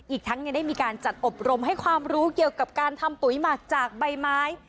อีกทั้งยังได้มีการจัดอบรมให้ความรู้เกี่ยวกับการทำปุ๋ยหมักจากใบไม้